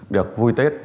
được vui tết